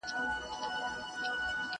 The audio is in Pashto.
یو لوی مرض دی لویه وبا ده!!